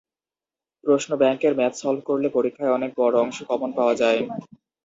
প্রশ্ন ব্যাংকের math solve করলে পরীক্ষায় অনেক বড় অংশ কমন পাওয়া যায়।